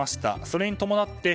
それに伴って